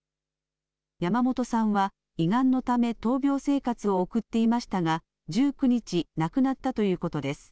山本さんは胃がんのため、闘病生活を送っていましたが、１９日、亡くなったということです。